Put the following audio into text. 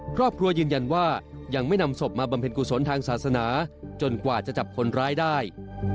ครอบครัวยืนยันว่ายังไม่นำศพมาบำเพ็ญกุศลทางศาสนาจนกว่าจะจับคนร้ายได้